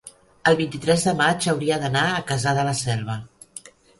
el vint-i-tres de maig hauria d'anar a Cassà de la Selva.